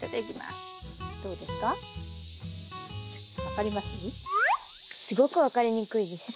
すごく分かりにくいです。